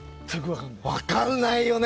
分からないよね！